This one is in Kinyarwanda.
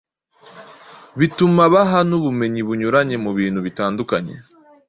bituma abaha n’ubumenyi bunyuranye mu bintu bitandukanye.